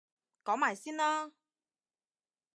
講埋先啦